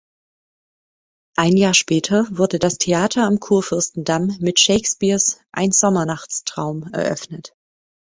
Ein Jahr später wurde das Theater am Kurfürstendamm mit Shakespeares „Ein Sommernachtstraum“ eröffnet.